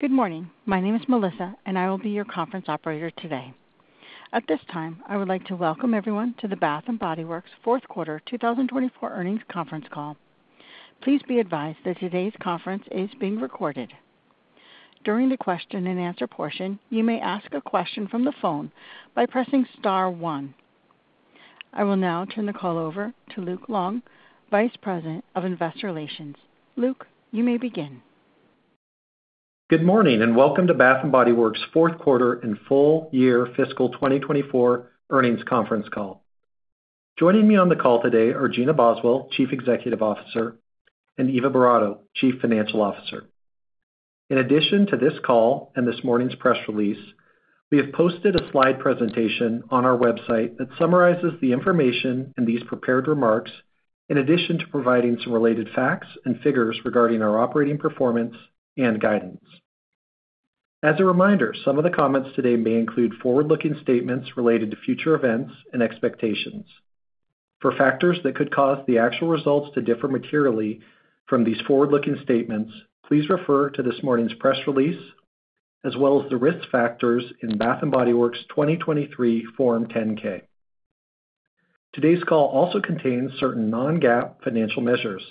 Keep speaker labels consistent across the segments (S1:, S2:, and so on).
S1: Good morning. My name is Melissa, and I will be your conference operator today. At this time, I would like to welcome everyone to the Bath & Body Works fourth quarter 2024 earnings conference call. Please be advised that today's conference is being recorded. During the question-and-answer portion, you may ask a question from the phone by pressing star one. I will now turn the call over to Luke Long, Vice President of Investor Relations. Luke, you may begin.
S2: Good morning and welcome to Bath & Body Works fourth quarter and full-year fiscal 2024 earnings conference call. Joining me on the call today are Gina Boswell, Chief Executive Officer, and Eva Boratto, Chief Financial Officer. In addition to this call and this morning's press release, we have posted a slide presentation on our website that summarizes the information and these prepared remarks, in addition to providing some related facts and figures regarding our operating performance and guidance. As a reminder, some of the comments today may include forward-looking statements related to future events and expectations. For factors that could cause the actual results to differ materially from these forward-looking statements, please refer to this morning's press release, as well as the risk factors in Bath & Body Works 2023 Form 10-K. Today's call also contains certain non-GAAP financial measures.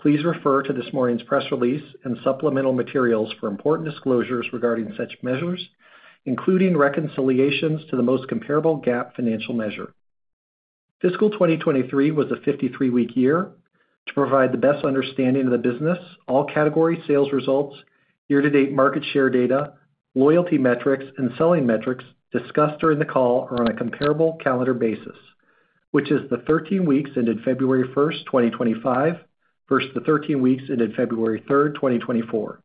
S2: Please refer to this morning's press release and supplemental materials for important disclosures regarding such measures, including reconciliations to the most comparable GAAP financial measure. Fiscal 2023 was a 53-week year. To provide the best understanding of the business, all category sales results, year-to-date market share data, loyalty metrics, and selling metrics discussed during the call are on a comparable calendar basis, which is the 13 weeks ended February 1st, 2025, versus the 13 weeks ended February 3rd, 2024.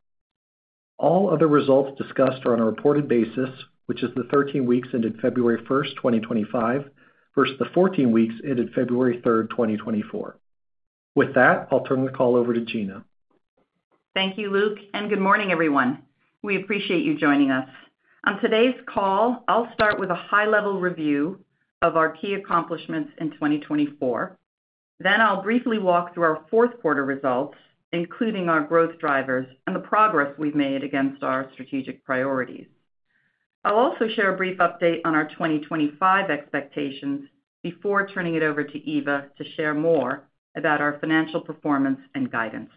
S2: All other results discussed are on a reported basis, which is the 13 weeks ended February 1st, 2025, versus the 14 weeks ended February 3rd, 2024. With that, I'll turn the call over to Gina.
S3: Thank you, Luke, and good morning, everyone. We appreciate you joining us. On today's call, I'll start with a high-level review of our key accomplishments in 2024. Then I'll briefly walk through our fourth quarter results, including our growth drivers and the progress we've made against our strategic priorities. I'll also share a brief update on our 2025 expectations before turning it over to Eva to share more about our financial performance and guidance.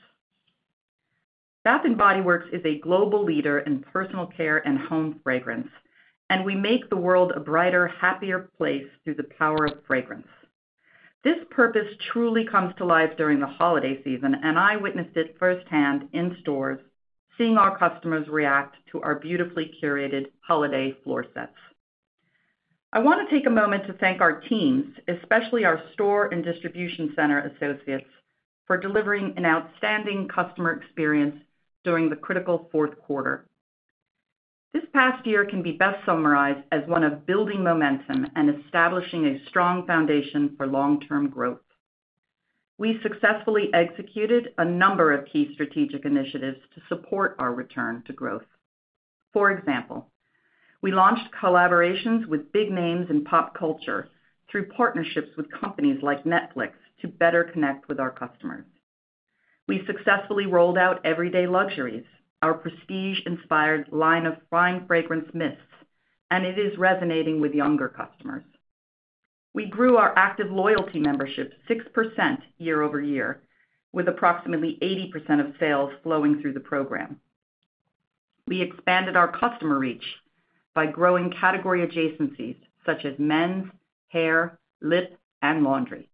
S3: Bath & Body Works is a global leader in personal care and home fragrance, and we make the world a brighter, happier place through the power of fragrance. This purpose truly comes to life during the holiday season, and I witnessed it firsthand in stores, seeing our customers react to our beautifully curated holiday floor sets. I want to take a moment to thank our teams, especially our store and distribution center associates, for delivering an outstanding customer experience during the critical fourth quarter. This past year can be best summarized as one of building momentum and establishing a strong foundation for long-term growth. We successfully executed a number of key strategic initiatives to support our return to growth. For example, we launched collaborations with big names in pop culture through partnerships with companies like Netflix to better connect with our customers. We successfully rolled out Everyday Luxuries, our prestige-inspired line of fine fragrance mists, and it is resonating with younger customers. We grew our active loyalty membership 6% year-over-year, with approximately 80% of sales flowing through the program. We expanded our customer reach by growing category adjacencies such as men's, hair, lip, and laundry.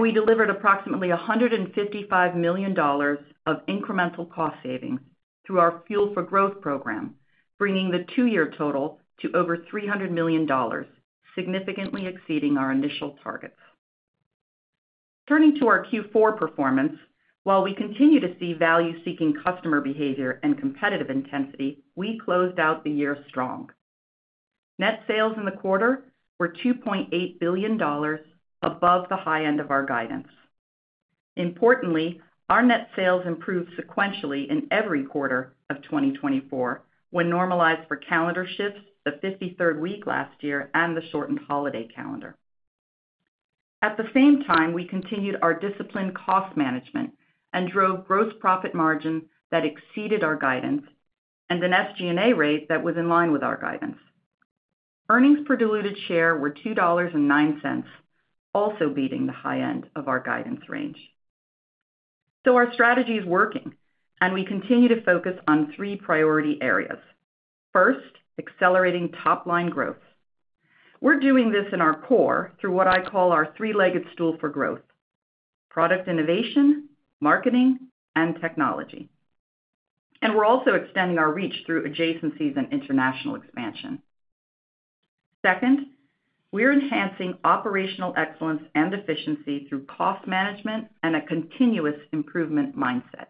S3: We delivered approximately $155 million of incremental cost savings through our Fuel for Growth program, bringing the two-year total to over $300 million, significantly exceeding our initial targets. Turning to our Q4 performance, while we continue to see value-seeking customer behavior and competitive intensity, we closed out the year strong. Net sales in the quarter were $2.8 billion, above the high end of our guidance. Importantly, our net sales improved sequentially in every quarter of 2024 when normalized for calendar shifts, the 53rd week last year, and the shortened holiday calendar. At the same time, we continued our disciplined cost management and drove gross profit margin that exceeded our guidance and an SG&A rate that was in line with our guidance. Earnings per diluted share were $2.09, also beating the high end of our guidance range. So our strategy is working, and we continue to focus on three priority areas. First, accelerating top-line growth. We're doing this in our core through what I call our three-legged stool for growth: product innovation, marketing, and technology. And we're also extending our reach through adjacencies and international expansion. Second, we're enhancing operational excellence and efficiency through cost management and a continuous improvement mindset.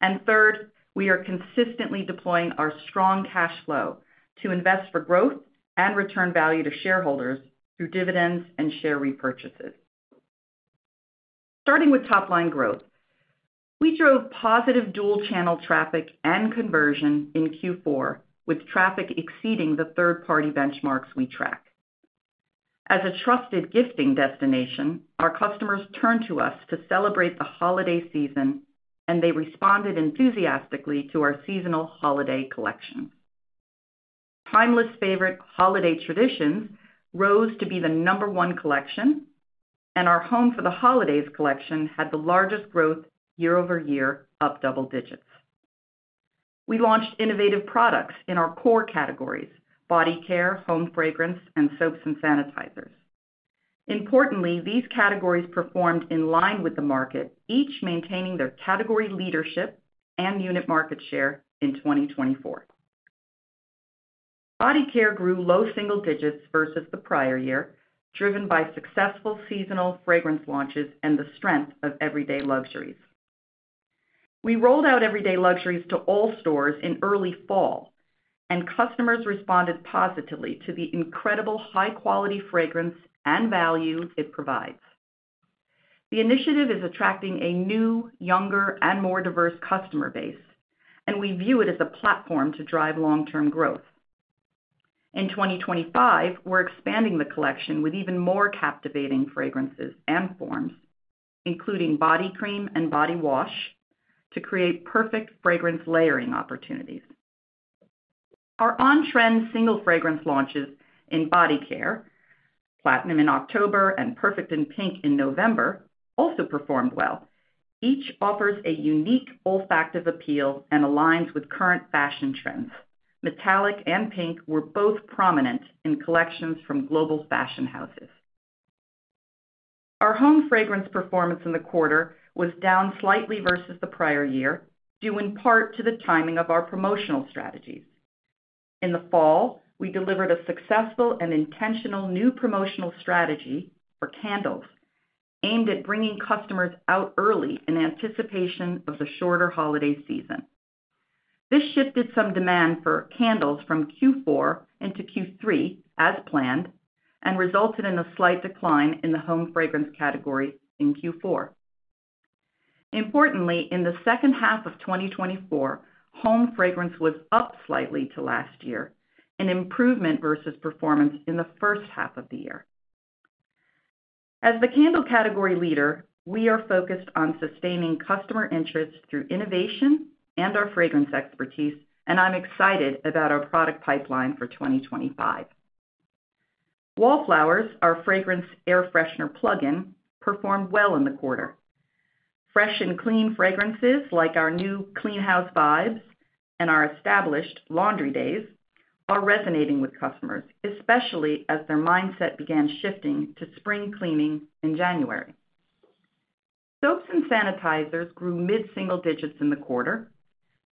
S3: And third, we are consistently deploying our strong cash flow to invest for growth and return value to shareholders through dividends and share repurchases. Starting with top-line growth, we drove positive dual-channel traffic and conversion in Q4, with traffic exceeding the third-party benchmarks we tracked. As a trusted gifting destination, our customers turned to us to celebrate the holiday season, and they responded enthusiastically to our seasonal holiday collections. Timeless favorite Holiday Traditions rose to be the number one collection, and our Home for the Holidays collection had the largest growth year-over-year, up double digits. We launched innovative products in our core categories: body care, home fragrance, and soaps and sanitizers. Importantly, these categories performed in line with the market, each maintaining their category leadership and unit market share in 2024. Body care grew low single digits versus the prior year, driven by successful seasonal fragrance launches and the strength of Everyday Luxuries. We rolled out Everyday Luxuries to all stores in early fall, and customers responded positively to the incredible high-quality fragrance and value it provides. The initiative is attracting a new, younger, and more diverse customer base, and we view it as a platform to drive long-term growth. In 2025, we're expanding the collection with even more captivating fragrances and forms, including body cream and body wash, to create perfect fragrance layering opportunities. Our on-trend single fragrance launches in body care, Platinum in October and Perfect in Pink in November, also performed well. Each offers a unique olfactive appeal and aligns with current fashion trends. Metallic and pink were both prominent in collections from global fashion houses. Our home fragrance performance in the quarter was down slightly versus the prior year, due in part to the timing of our promotional strategies. In the fall, we delivered a successful and intentional new promotional strategy for candles, aimed at bringing customers out early in anticipation of the shorter holiday season. This shifted some demand for candles from Q4 into Q3 as planned and resulted in a slight decline in the home fragrance category in Q4. Importantly, in the second half of 2024, home fragrance was up slightly to last year, an improvement versus performance in the first half of the year. As the candle category leader, we are focused on sustaining customer interest through innovation and our fragrance expertise, and I'm excited about our product pipeline for 2025. Wallflowers, our fragrance air-freshener plug-in, performed well in the quarter. Fresh and clean fragrances, like our new Clean House Vibes and our established Laundry Day, are resonating with customers, especially as their mindset began shifting to spring cleaning in January. Soaps and sanitizers grew mid-single digits in the quarter,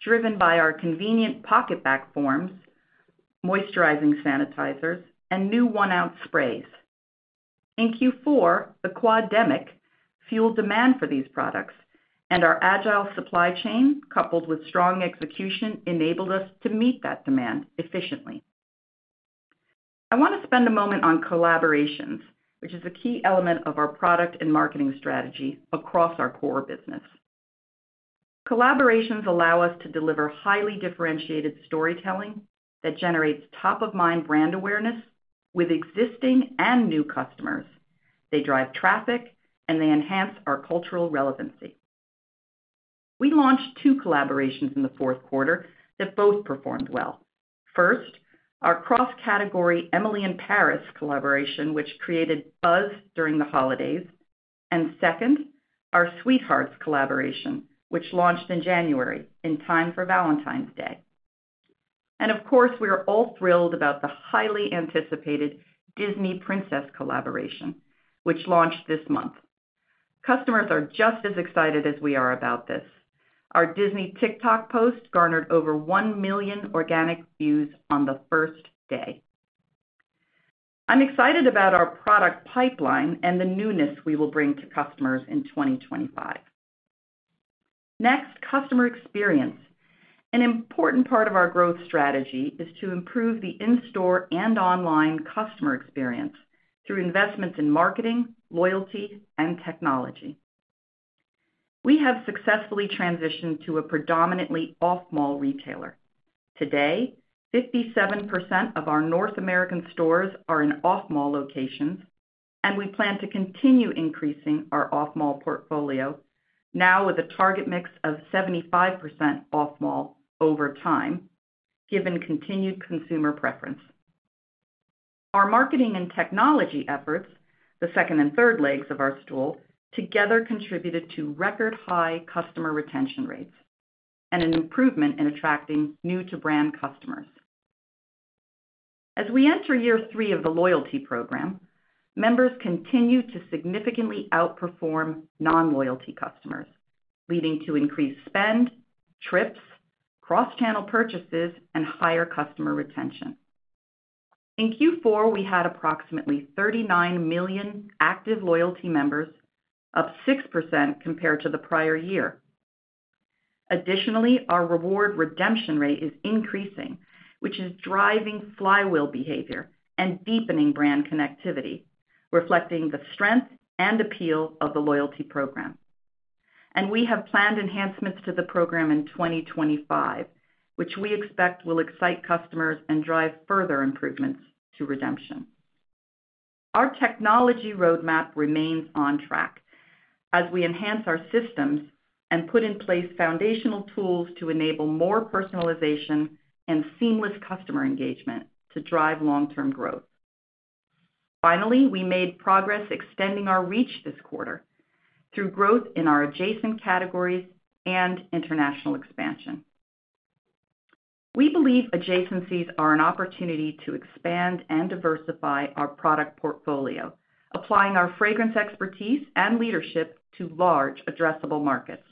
S3: driven by our convenient PocketBac forms, moisturizing sanitizers, and new one-ounce sprays. In Q4, the quademic fueled demand for these products, and our agile supply chain, coupled with strong execution, enabled us to meet that demand efficiently. I want to spend a moment on collaborations, which is a key element of our product and marketing strategy across our core business. Collaborations allow us to deliver highly differentiated storytelling that generates top-of-mind brand awareness with existing and new customers. They drive traffic, and they enhance our cultural relevancy. We launched two collaborations in the fourth quarter that both performed well. First, our cross-category Emily in Paris collaboration, which created buzz during the holidays, and second, our Sweethearts collaboration, which launched in January in time for Valentine's Day. And of course, we are all thrilled about the highly anticipated Disney Princess collaboration, which launched this month. Customers are just as excited as we are about this. Our Disney TikTok post garnered over 1 million organic views on the first day. I'm excited about our product pipeline and the newness we will bring to customers in 2025. Next, customer experience. An important part of our growth strategy is to improve the in-store and online customer experience through investments in marketing, loyalty, and technology. We have successfully transitioned to a predominantly off-mall retailer. Today, 57% of our North American stores are in off-mall locations, and we plan to continue increasing our off-mall portfolio, now with a target mix of 75% off-mall over time, given continued consumer preference. Our marketing and technology efforts, the second and third legs of our stool, together contributed to record-high customer retention rates and an improvement in attracting new-to-brand customers. As we enter year three of the loyalty program, members continue to significantly outperform non-loyalty customers, leading to increased spend, trips, cross-channel purchases, and higher customer retention. In Q4, we had approximately 39 million active loyalty members, up 6% compared to the prior year. Additionally, our reward redemption rate is increasing, which is driving flywheel behavior and deepening brand connectivity, reflecting the strength and appeal of the loyalty program, and we have planned enhancements to the program in 2025, which we expect will excite customers and drive further improvements to redemption. Our technology roadmap remains on track as we enhance our systems and put in place foundational tools to enable more personalization and seamless customer engagement to drive long-term growth. Finally, we made progress extending our reach this quarter through growth in our adjacent categories and international expansion. We believe adjacencies are an opportunity to expand and diversify our product portfolio, applying our fragrance expertise and leadership to large, addressable markets.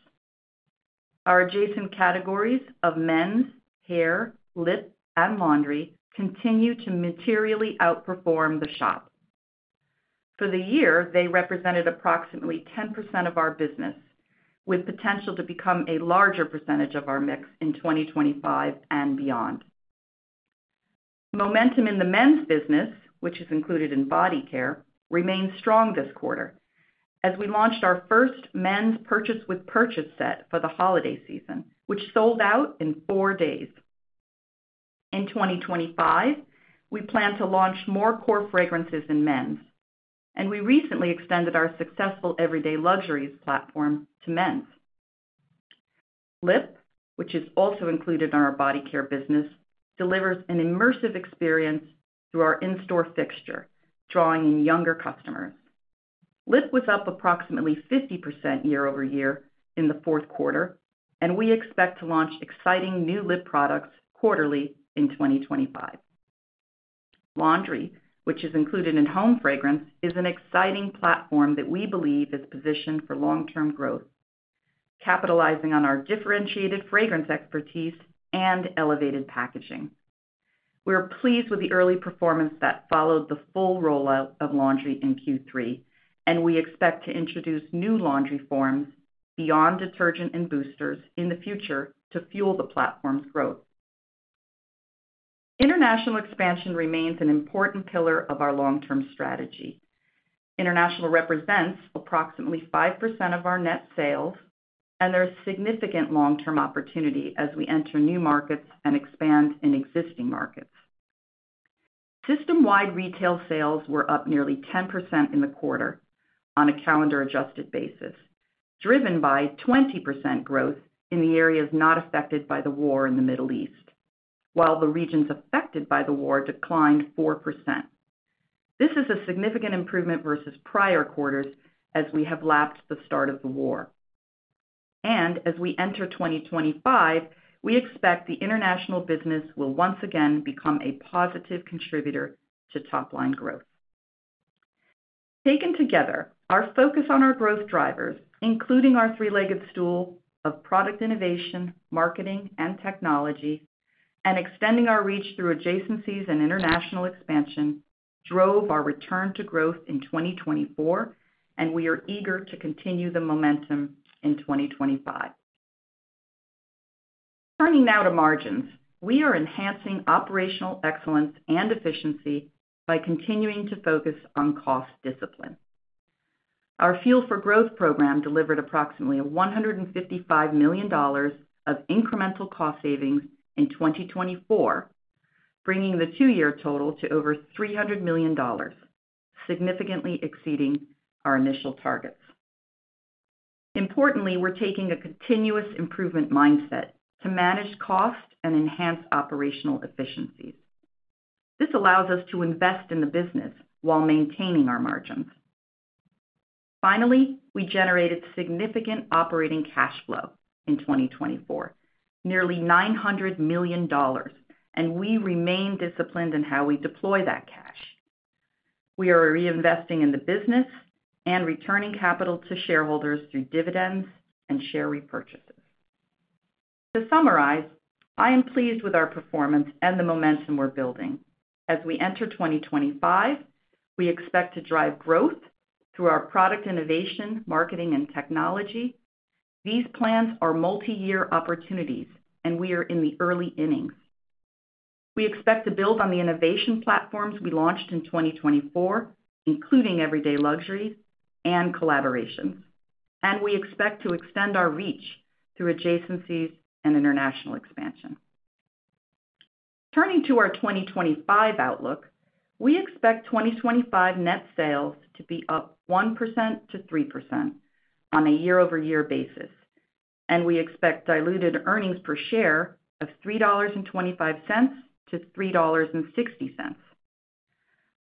S3: Our adjacent categories of men's, hair, lip, and laundry continue to materially outperform the shop. For the year, they represented approximately 10% of our business, with potential to become a larger percentage of our mix in 2025 and beyond. Momentum in the men's business, which is included in body care, remained strong this quarter as we launched our first men's purchase-with-purchase set for the holiday season, which sold out in four days. In 2025, we plan to launch more core fragrances in men's, and we recently extended our successful Everyday Luxuries platform to men's. Lip, which is also included in our body care business, delivers an immersive experience through our in-store fixture, drawing in younger customers. Lip was up approximately 50% year-over-year in the fourth quarter, and we expect to launch exciting new lip products quarterly in 2025. Laundry, which is included in home fragrance, is an exciting platform that we believe is positioned for long-term growth, capitalizing on our differentiated fragrance expertise and elevated packaging. We're pleased with the early performance that followed the full rollout of laundry in Q3, and we expect to introduce new laundry forms beyond detergent and boosters in the future to fuel the platform's growth. International expansion remains an important pillar of our long-term strategy. International represents approximately 5% of our net sales, and there is significant long-term opportunity as we enter new markets and expand in existing markets. System-wide retail sales were up nearly 10% in the quarter on a calendar-adjusted basis, driven by 20% growth in the areas not affected by the war in the Middle East, while the regions affected by the war declined 4%. This is a significant improvement versus prior quarters as we have lapped the start of the war, and as we enter 2025, we expect the international business will once again become a positive contributor to top-line growth. Taken together, our focus on our growth drivers, including our three-legged stool of product innovation, marketing, and technology, and extending our reach through adjacencies and international expansion, drove our return to growth in 2024, and we are eager to continue the momentum in 2025. Turning now to margins, we are enhancing operational excellence and efficiency by continuing to focus on cost discipline. Our Fuel for Growth program delivered approximately $155 million of incremental cost savings in 2024, bringing the two-year total to over $300 million, significantly exceeding our initial targets. Importantly, we're taking a continuous improvement mindset to manage costs and enhance operational efficiencies. This allows us to invest in the business while maintaining our margins. Finally, we generated significant operating cash flow in 2024, nearly $900 million, and we remain disciplined in how we deploy that cash. We are reinvesting in the business and returning capital to shareholders through dividends and share repurchases. To summarize, I am pleased with our performance and the momentum we're building. As we enter 2025, we expect to drive growth through our product innovation, marketing, and technology. These plans are multi-year opportunities, and we are in the early innings. We expect to build on the innovation platforms we launched in 2024, including Everyday Luxuries and collaborations, and we expect to extend our reach through adjacencies and international expansion. Turning to our 2025 outlook, we expect 2025 net sales to be up 1% to 3% on a year-over-year basis, and we expect diluted earnings per share of $3.25 to $3.60.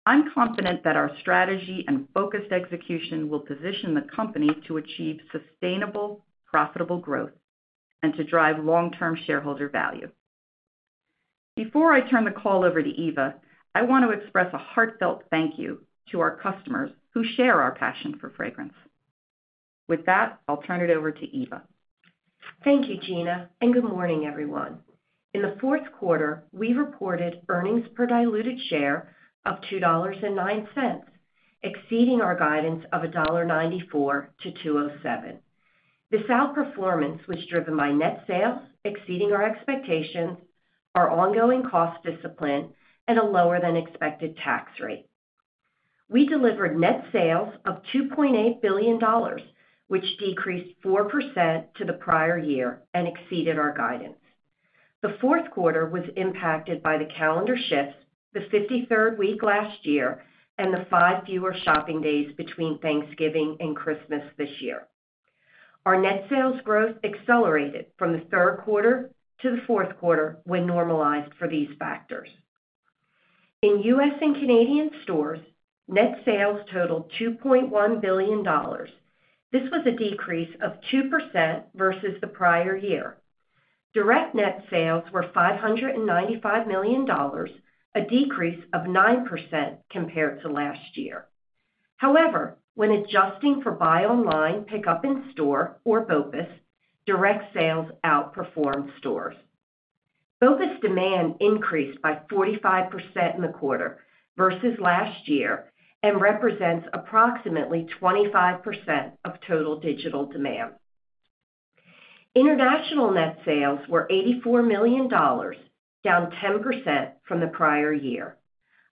S3: I'm confident that our strategy and focused execution will position the company to achieve sustainable, profitable growth and to drive long-term shareholder value. Before I turn the call over to Eva, I want to express a heartfelt thank you to our customers who share our passion for fragrance. With that, I'll turn it over to Eva.
S4: Thank you, Gina. And good morning, everyone. In the fourth quarter, we reported earnings per diluted share of $2.09, exceeding our guidance of $1.94 to $2.07. This outperformance was driven by net sales exceeding our expectations, our ongoing cost discipline, and a lower-than-expected tax rate. We delivered net sales of $2.8 billion, which decreased 4% to the prior year and exceeded our guidance. The fourth quarter was impacted by the calendar shifts, the 53rd week last year, and the five fewer shopping days between Thanksgiving and Christmas this year. Our net sales growth accelerated from the third quarter to the fourth quarter when normalized for these factors. In U.S. and Canadian stores, net sales totaled $2.1 billion. This was a decrease of 2% versus the prior year. Direct net sales were $595 million, a decrease of 9% compared to last year. However, when adjusting for Buy Online, Pick-Up in Store, or BOPUS, direct sales outperformed stores. BOPUS demand increased by 45% in the quarter versus last year and represents approximately 25% of total digital demand. International net sales were $84 million, down 10% from the prior year.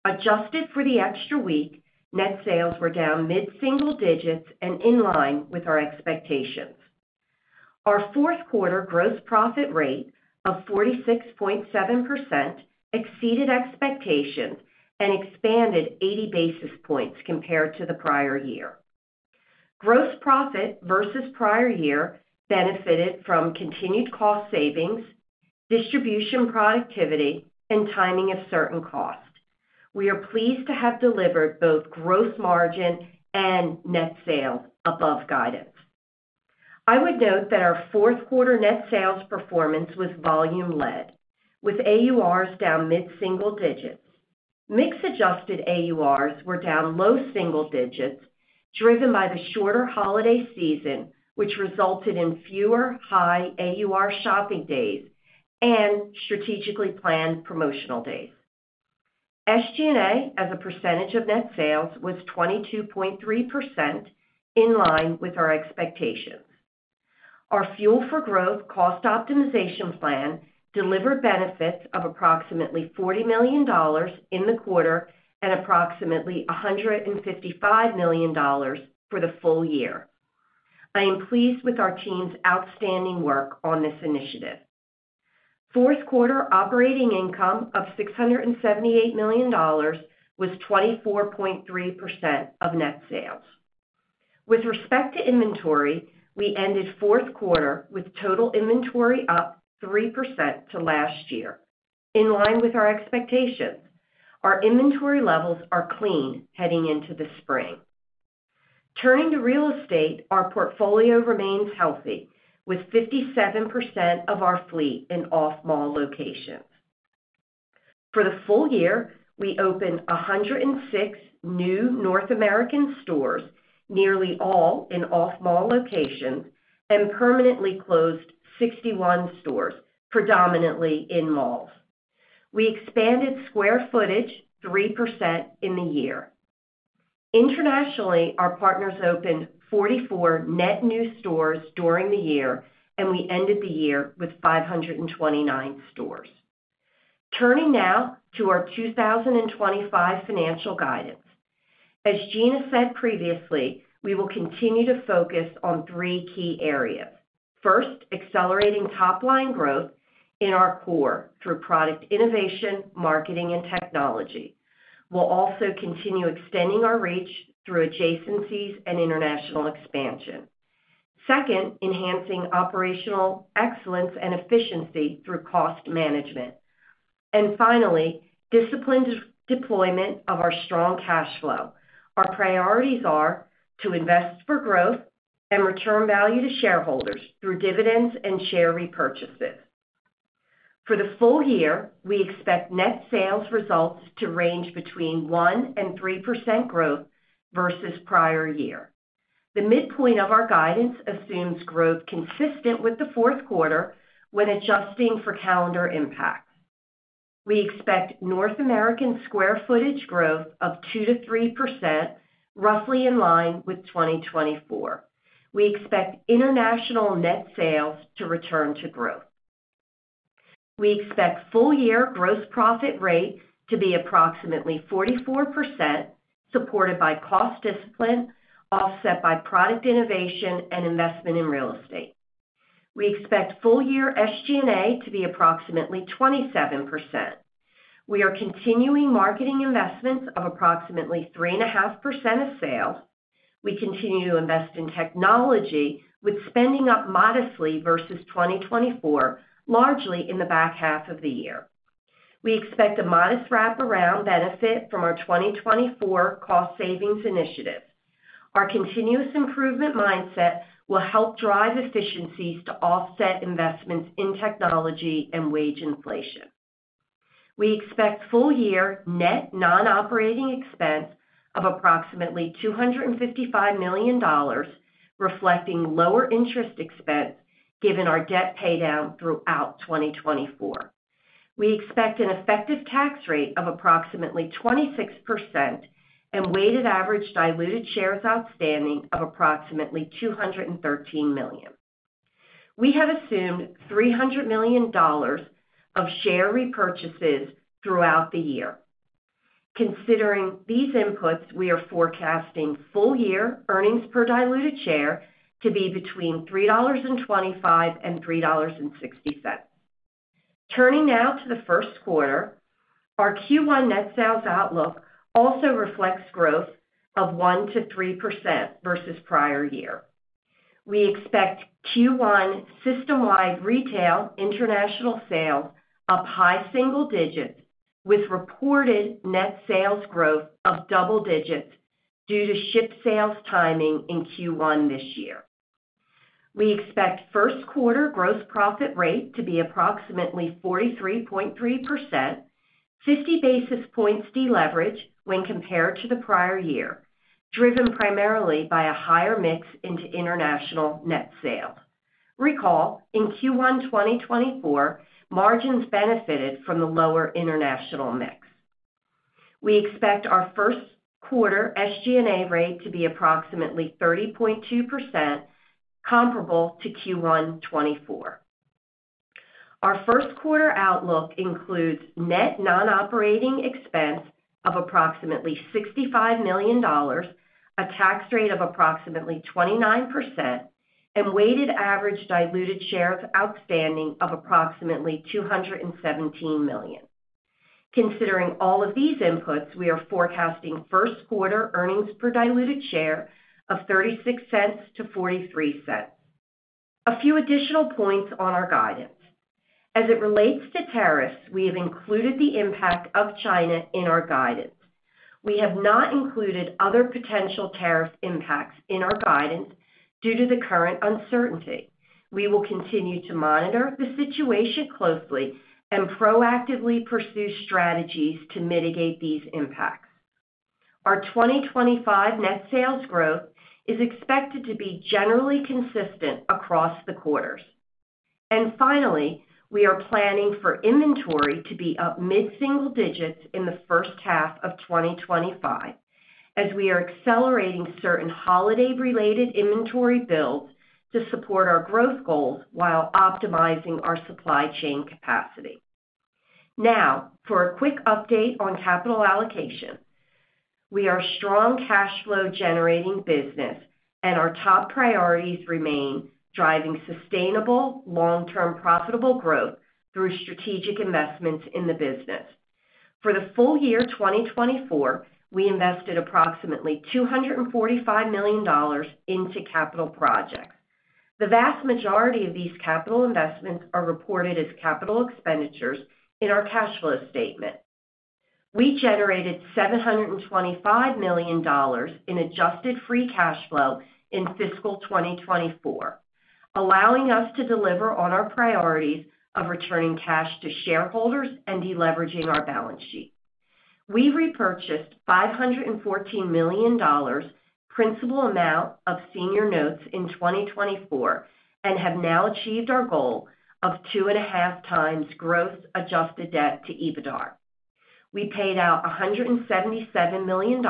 S4: Adjusted for the extra week, net sales were down mid-single digits and in line with our expectations. Our fourth quarter gross profit rate of 46.7% exceeded expectations and expanded 80 basis points compared to the prior year. Gross profit versus prior year benefited from continued cost savings, distribution productivity, and timing of certain costs. We are pleased to have delivered both gross margin and net sales above guidance. I would note that our fourth quarter net sales performance was volume-led, with AURs down mid-single digits. Mix-adjusted AURs were down low single digits, driven by the shorter holiday season, which resulted in fewer high AUR shopping days and strategically planned promotional days. SG&A, as a percentage of net sales, was 22.3%, in line with our expectations. Our Fuel for Growth cost optimization plan delivered benefits of approximately $40 million in the quarter and approximately $155 million for the full year. I am pleased with our team's outstanding work on this initiative. Fourth quarter operating income of $678 million was 24.3% of net sales. With respect to inventory, we ended fourth quarter with total inventory up 3% to last year, in line with our expectations. Our inventory levels are clean heading into the spring. Turning to real estate, our portfolio remains healthy, with 57% of our fleet in off-mall locations. For the full year, we opened 106 new North American stores, nearly all in off-mall locations, and permanently closed 61 stores, predominantly in malls. We expanded square footage 3% in the year. Internationally, our partners opened 44 net-new stores during the year, and we ended the year with 529 stores. Turning now to our 2025 financial guidance. As Gina said previously, we will continue to focus on three key areas. First, accelerating top-line growth in our core through product innovation, marketing, and technology. We'll also continue extending our reach through adjacencies and international expansion. Second, enhancing operational excellence and efficiency through cost management. And finally, disciplined deployment of our strong cash flow. Our priorities are to invest for growth and return value to shareholders through dividends and share repurchases. For the full year, we expect net sales results to range between 1% and 3% growth versus prior year. The midpoint of our guidance assumes growth consistent with the fourth quarter when adjusting for calendar impacts. We expect North American square footage growth of 2%-3%, roughly in line with 2024. We expect international net sales to return to growth. We expect full-year gross profit rate to be approximately 44%, supported by cost discipline, offset by product innovation and investment in real estate. We expect full-year SG&A to be approximately 27%. We are continuing marketing investments of approximately 3.5% of sales. We continue to invest in technology, with spending up modestly versus 2024, largely in the back half of the year. We expect a modest wraparound benefit from our 2024 cost savings initiative. Our continuous improvement mindset will help drive efficiencies to offset investments in technology and wage inflation. We expect full-year net non-operating expense of approximately $255 million, reflecting lower interest expense given our debt paydown throughout 2024. We expect an effective tax rate of approximately 26% and weighted average diluted shares outstanding of approximately 213 million. We have assumed $300 million of share repurchases throughout the year. Considering these inputs, we are forecasting full-year earnings per diluted share to be between $3.25 and $3.60. Turning now to the first quarter, our Q1 net sales outlook also reflects growth of 1% to 3% versus prior year. We expect Q1 system-wide retail international sales up high single digits, with reported net sales growth of double digits due to ship sales timing in Q1 this year. We expect first quarter gross profit rate to be approximately 43.3%, 50 basis points deleveraged when compared to the prior year, driven primarily by a higher mix into international net sales. Recall, in Q1 2024, margins benefited from the lower international mix. We expect our first quarter SG&A rate to be approximately 30.2%, comparable to Q1 2024. Our first quarter outlook includes net non-operating expense of approximately $65 million, a tax rate of approximately 29%, and weighted average diluted shares outstanding of approximately 217 million. Considering all of these inputs, we are forecasting first quarter earnings per diluted share of $0.36-$0.43. A few additional points on our guidance. As it relates to tariffs, we have included the impact of China in our guidance. We have not included other potential tariff impacts in our guidance due to the current uncertainty. We will continue to monitor the situation closely and proactively pursue strategies to mitigate these impacts. Our 2025 net sales growth is expected to be generally consistent across the quarters, and finally, we are planning for inventory to be up mid-single digits in the first half of 2025, as we are accelerating certain holiday-related inventory builds to support our growth goals while optimizing our supply chain capacity. Now, for a quick update on capital allocation. We are a strong cash flow generating business, and our top priorities remain driving sustainable, long-term profitable growth through strategic investments in the business. For the full year 2024, we invested approximately $245 million into capital projects. The vast majority of these capital investments are reported as capital expenditures in our cash flow statement. We generated $725 million in adjusted free cash flow in fiscal 2024, allowing us to deliver on our priorities of returning cash to shareholders and deleveraging our balance sheet. We repurchased $514 million principal amount of senior notes in 2024 and have now achieved our goal of 2.5 times Gross Adjusted Debt to EBITDA. We paid out $177 million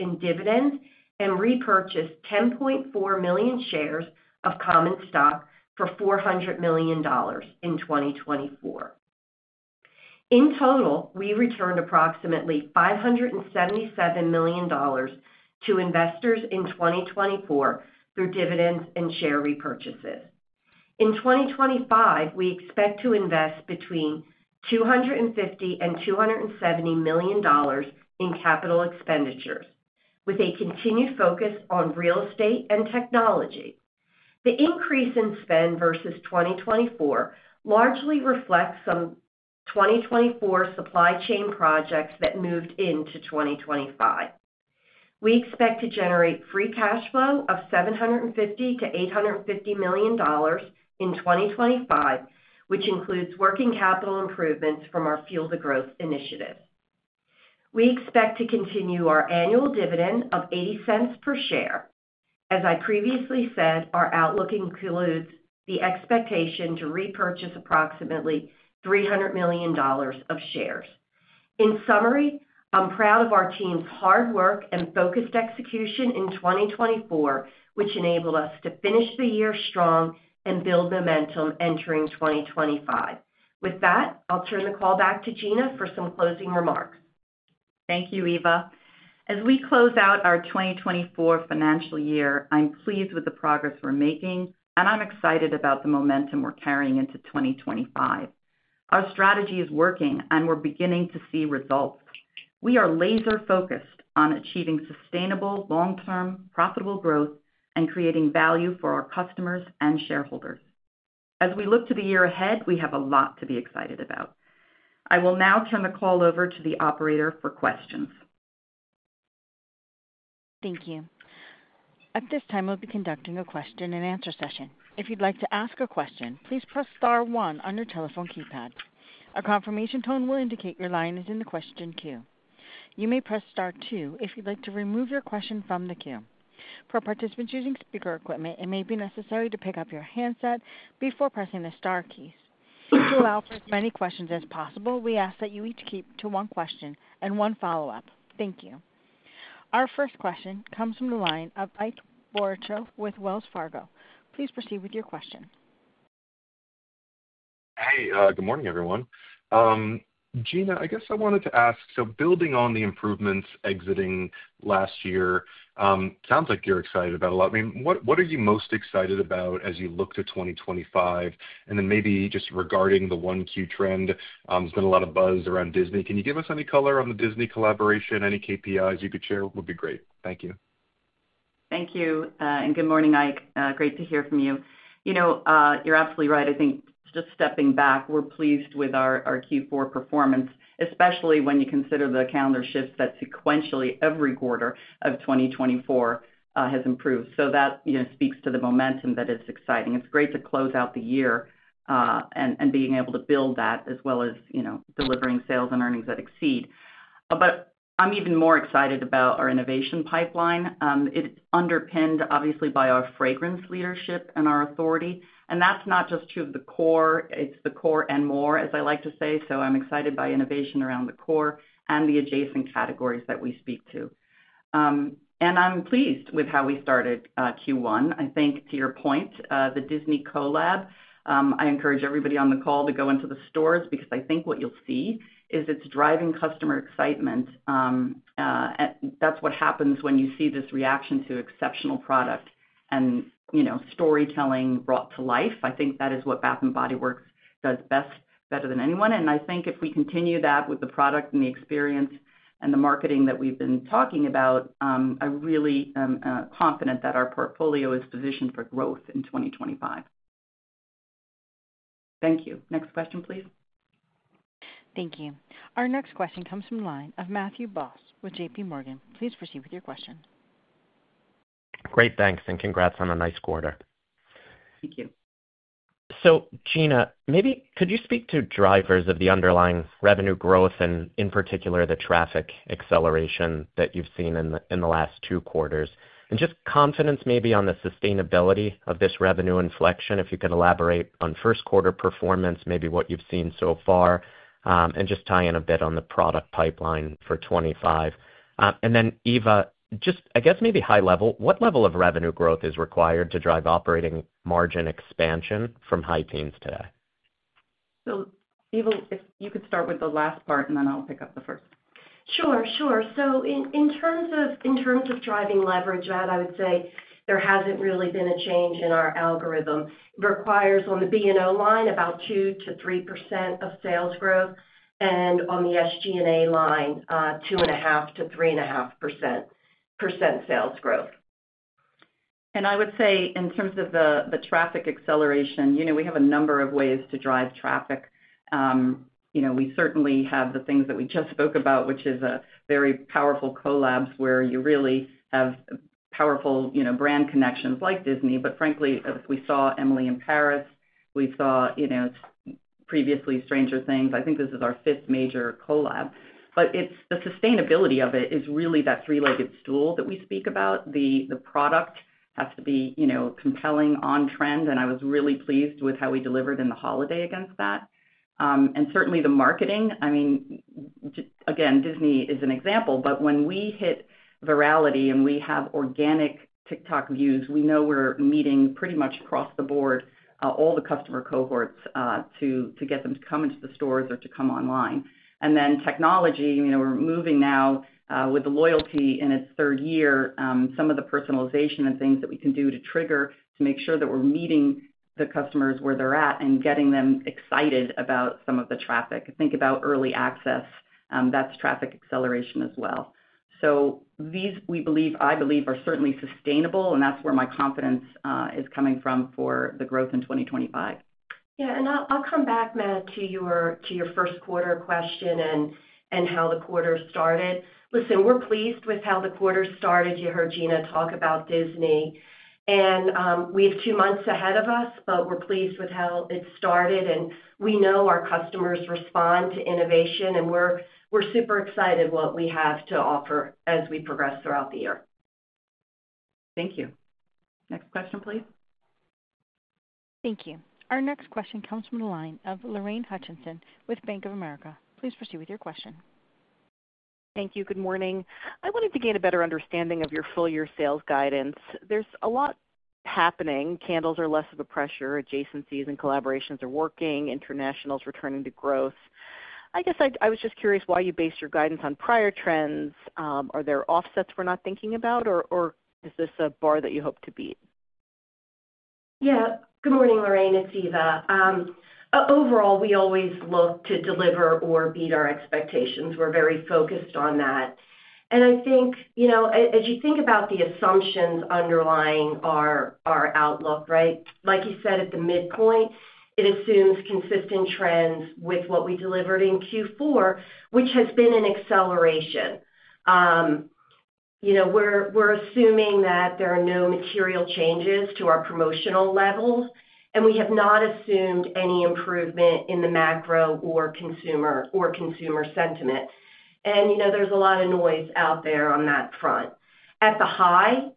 S4: in dividends and repurchased 10.4 million shares of common stock for $400 million in 2024. In total, we returned approximately $577 million to investors in 2024 through dividends and share repurchases. In 2025, we expect to invest between $250 and $270 million in capital expenditures, with a continued focus on real estate and technology. The increase in spend versus 2024 largely reflects some 2024 supply chain projects that moved into 2025. We expect to generate free cash flow of $750-$850 million in 2025, which includes working capital improvements from our Fuel for Growth initiative. We expect to continue our annual dividend of $0.80 per share. As I previously said, our outlook includes the expectation to repurchase approximately $300 million of shares. In summary, I'm proud of our team's hard work and focused execution in 2024, which enabled us to finish the year strong and build momentum entering 2025. With that, I'll turn the call back to Gina for some closing remarks.
S3: Thank you, Eva. As we close out our 2024 financial year, I'm pleased with the progress we're making, and I'm excited about the momentum we're carrying into 2025. Our strategy is working, and we're beginning to see results. We are laser-focused on achieving sustainable, long-term profitable growth and creating value for our customers and shareholders. As we look to the year ahead, we have a lot to be excited about. I will now turn the call over to the operator for questions.
S1: Thank you. At this time, we'll be conducting a question-and-answer session. If you'd like to ask a question, please press star one on your telephone keypad. A confirmation tone will indicate your line is in the question queue. You may press star two if you'd like to remove your question from the queue. For participants using speaker equipment, it may be necessary to pick up your handset before pressing the star keys. To allow for as many questions as possible, we ask that you each keep to one question and one follow-up. Thank you. Our first question comes from the line of Ike Boruchow with Wells Fargo. Please proceed with your question.
S5: Hey, good morning, everyone. Gina, I guess I wanted to ask, so building on the improvements exiting last year, it sounds like you're excited about a lot. I mean, what are you most excited about as you look to 2025? And then maybe just regarding the on-trend, there's been a lot of buzz around Disney. Can you give us any color on the Disney collaboration? Any KPIs you could share would be great. Thank you.
S3: Thank you. Good morning, Ike. Great to hear from you. You're absolutely right. I think just stepping back, we're pleased with our Q4 performance, especially when you consider the calendar shifts that sequentially every quarter of 2024 has improved. So that speaks to the momentum that is exciting. It's great to close out the year and being able to build that as well as delivering sales and earnings that exceed. But I'm even more excited about our innovation pipeline. It's underpinned, obviously, by our fragrance leadership and our authority. And that's not just true of the core. It's the core and more, as I like to say. So I'm excited by innovation around the core and the adjacent categories that we speak to. And I'm pleased with how we started Q1. I think, to your point, the Disney collab, I encourage everybody on the call to go into the stores because I think what you'll see is it's driving customer excitement. That's what happens when you see this reaction to exceptional product and storytelling brought to life. I think that is what Bath & Body Works does best, better than anyone. I think if we continue that with the product and the experience and the marketing that we've been talking about, I'm really confident that our portfolio is positioned for growth in 2025. Thank you. Next question, please.
S1: Thank you. Our next question comes from the line of Matthew Boss with J.P. Morgan. Please proceed with your question.
S6: Great. Thanks. Congrats on a nice quarter.
S3: Thank you.
S6: Gina, maybe could you speak to drivers of the underlying revenue growth and, in particular, the traffic acceleration that you've seen in the last two quarters? Just confidence maybe on the sustainability of this revenue inflection, if you could elaborate on first quarter performance, maybe what you've seen so far, and just tie in a bit on the product pipeline for 2025? And then, Eva, just, I guess, maybe high level, what level of revenue growth is required to drive operating margin expansion from high teens today?
S3: So, Eva, if you could start with the last part, and then I'll pick up the first.
S4: Sure, sure. So in terms of driving leverage, I would say there hasn't really been a change in our algorithm. It requires on the B&O line about 2%-3% of sales growth, and on the SG&A line, 2.5%-3.5% sales growth.
S3: And I would say in terms of the traffic acceleration, we have a number of ways to drive traffic. We certainly have the things that we just spoke about, which is a very powerful collabs where you really have powerful brand connections like Disney. But frankly, we saw Emily in Paris. We saw previously Stranger Things. I think this is our fifth major collab, but the sustainability of it is really that three-legged stool that we speak about. The product has to be compelling, on-trend, and I was really pleased with how we delivered in the holiday against that, and certainly the marketing. I mean, again, Disney is an example, but when we hit virality and we have organic TikTok views, we know we're meeting pretty much across the board, all the customer cohorts, to get them to come into the stores or to come online, and then technology, we're moving now with the loyalty in its third year, some of the personalization and things that we can do to trigger to make sure that we're meeting the customers where they're at and getting them excited about some of the traffic. Think about early access. That's traffic acceleration as well. So these, I believe, are certainly sustainable, and that's where my confidence is coming from for the growth in 2025.
S4: Yeah. And I'll come back, Matt, to your first quarter question and how the quarter started. Listen, we're pleased with how the quarter started. You heard Gina talk about Disney. And we have two months ahead of us, but we're pleased with how it started. And we know our customers respond to innovation, and we're super excited about what we have to offer as we progress throughout the year. Thank you.
S3: Next question, please.
S1: Thank you. Our next question comes from the line of Lorraine Hutchinson with Bank of America. Please proceed with your question.
S7: Thank you. Good morning. I wanted to gain a better understanding of your full year sales guidance. There's a lot happening. Candles are less of a pressure. Adjacencies and collaborations are working. International is returning to growth. I guess I was just curious why you based your guidance on prior trends. Are there offsets we're not thinking about, or is this a bar that you hope to beat?
S4: Yeah. Good morning, Lorraine. It's Eva. Overall, we always look to deliver or beat our expectations. We're very focused on that. And I think as you think about the assumptions underlying our outlook, right, like you said at the midpoint, it assumes consistent trends with what we delivered in Q4, which has been an acceleration. We're assuming that there are no material changes to our promotional levels, and we have not assumed any improvement in the macro or consumer sentiment. And there's a lot of noise out there on that front. At the high,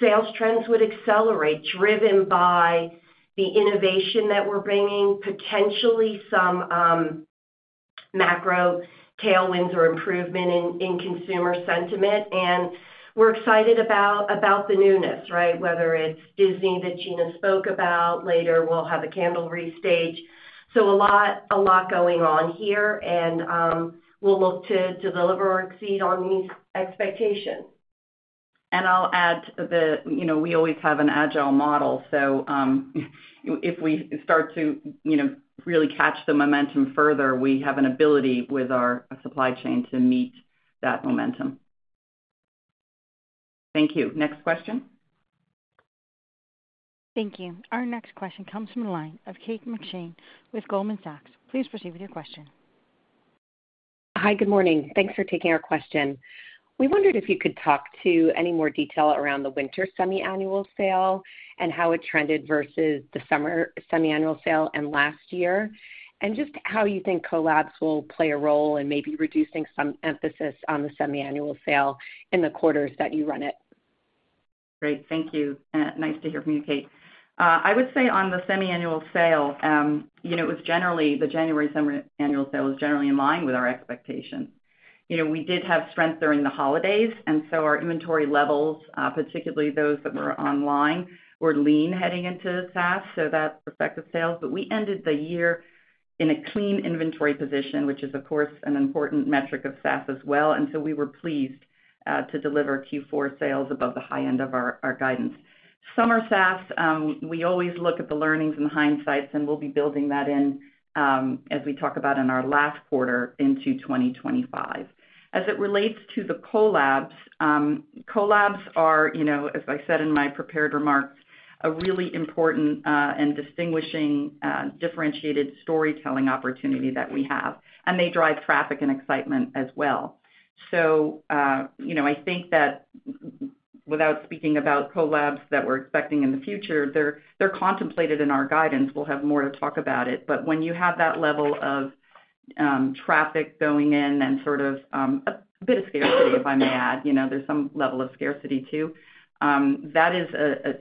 S4: sales trends would accelerate driven by the innovation that we're bringing, potentially some macro tailwinds or improvement in consumer sentiment. We're excited about the newness, right, whether it's Disney that Gina spoke about. Later, we'll have a candle restage. So a lot going on here, and we'll look to deliver or exceed on these expectations.
S3: And I'll add that we always have an agile model. So if we start to really catch the momentum further, we have an ability with our supply chain to meet that momentum. Thank you. Next question.
S1: Thank you. Our next question comes from the line of Kate McShane with Goldman Sachs. Please proceed with your question.
S8: Hi, good morning. Thanks for taking our question. We wondered if you could talk in any more detail around the Winter Semi-Annual Sale and how it trended versus the Summer Semi-Annual Sale and last year, and just how you think collabs will play a role in maybe reducing some emphasis on the semiannual sale in the quarters that you run it.
S3: Great. Thank you. Nice to hear from you, Kate. I would say on the Semi-Annual Sale, the January Semi-Annual Sale was generally in line with our expectations. We did have strength during the holidays, and so our inventory levels, particularly those that were online, were lean heading into SAS, so that affected sales. But we ended the year in a clean inventory position, which is, of course, an important metric of SAS as well. And so we were pleased to deliver Q4 sales above the high end of our guidance. Summer SAS, we always look at the learnings and the hindsight, and we'll be building that in as we talk about in our last quarter into 2025. As it relates to the collabs, collabs are, as I said in my prepared remarks, a really important and distinguishing differentiated storytelling opportunity that we have, and they drive traffic and excitement as well, so I think that without speaking about collabs that we're expecting in the future, they're contemplated in our guidance. We'll have more to talk about it, but when you have that level of traffic going in and sort of a bit of scarcity, if I may add, there's some level of scarcity too, that is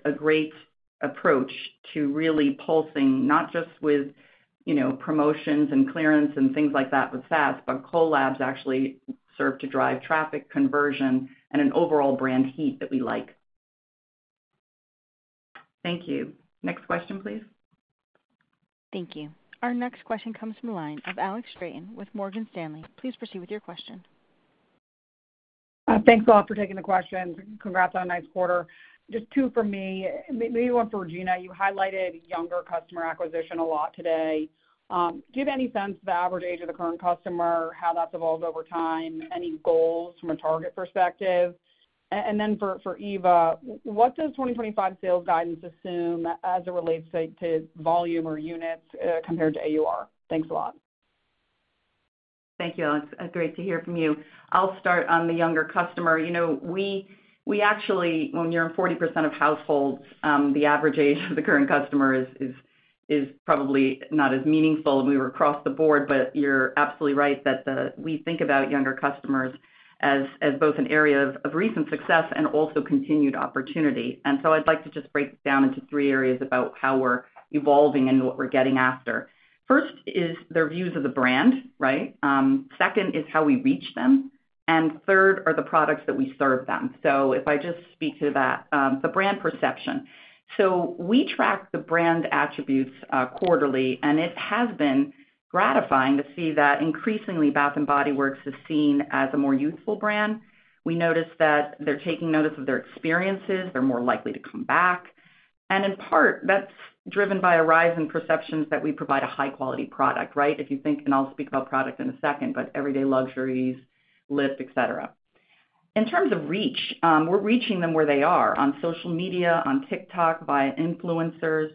S3: a great approach to really pulsing, not just with promotions and clearance and things like that with SAS, but collabs actually serve to drive traffic, conversion, and an overall brand heat that we like. Thank you. Next question, please.
S1: Thank you. Our next question comes from the line of Alex Straton with Morgan Stanley. Please proceed with your question.
S9: Thanks a lot for taking the question. Congrats on a nice quarter. Just two for me, maybe one for Gina. You highlighted younger customer acquisition a lot today. Do you have any sense of the average age of the current customer, how that's evolved over time, any goals from a target perspective? And then for Eva, what does 2025 sales guidance assume as it relates to volume or units compared to AUR? Thanks a lot.
S3: Thank you, Alex. Great to hear from you. I'll start on the younger customer. We actually, when you're in 40% of households, the average age of the current customer is probably not as meaningful. And we were across the board, but you're absolutely right that we think about younger customers as both an area of recent success and also continued opportunity. And so I'd like to just break it down into three areas about how we're evolving and what we're getting after. First is their views of the brand, right? Second is how we reach them. And third are the products that we serve them. So if I just speak to that, the brand perception. So we track the brand attributes quarterly, and it has been gratifying to see that increasingly Bath & Body Works is seen as a more youthful brand. We noticed that they're taking notice of their experiences. They're more likely to come back. And in part, that's driven by a rise in perceptions that we provide a high-quality product, right? If you think, and I'll speak about product in a second, but Everyday Luxuries, Lip, etc. In terms of reach, we're reaching them where they are on social media, on TikTok, via influencers,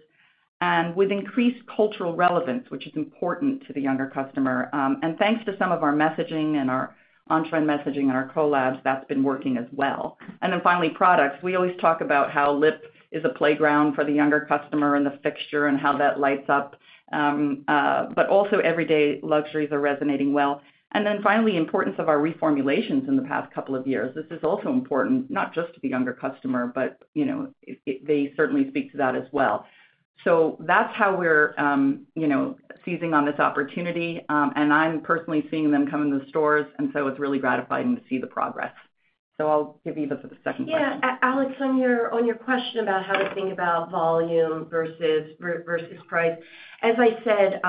S3: and with increased cultural relevance, which is important to the younger customer. And thanks to some of our messaging and our on-trend messaging and our collabs, that's been working as well. And then finally, products. We always talk about how lip is a playground for the younger customer and the fixture and how that lights up, but also Everyday Luxuries are resonating well. And then finally, the importance of our reformulations in the past couple of years. This is also important, not just to the younger customer, but they certainly speak to that as well. So that's how we're seizing on this opportunity. And I'm personally seeing them come into the stores, and so it's really gratifying to see the progress. So I'll give you the second question.
S4: Yeah. Alex, on your question about how to think about volume versus price, as I said,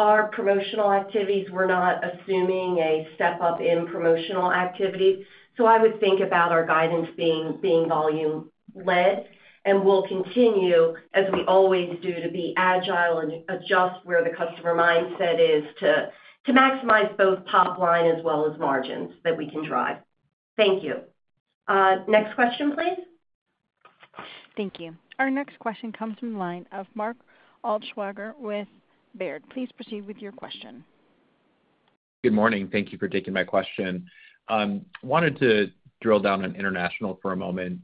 S4: our promotional activities, we're not assuming a step up in promotional activity. So I would think about our guidance being volume-led, and we'll continue, as we always do, to be agile and adjust where the customer mindset is to maximize both top line as well as margins that we can drive. Thank you. Next question, please.
S1: Thank you. Our next question comes from the line of Mark Altschwager with Baird. Please proceed with your question.
S10: Good morning. Thank you for taking my question. Wanted to drill down on international for a moment.